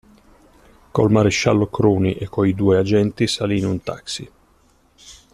Col maresciallo Cruni e coi due agenti salì in un taxi.